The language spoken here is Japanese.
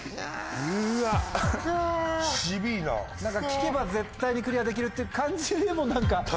聞けば絶対にクリアできるって感じでも。